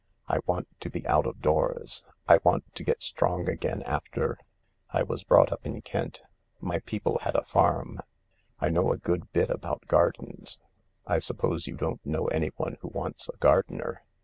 I want to be out of doors. I want to get strong again after ... I was brought up in Kent. My people had a farm. I know a good bit about gardens. I suppose you don't know anyone who wants a gardener